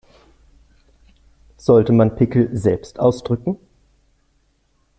Sollte man Pickel selbst ausdrücken?